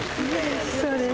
そうです。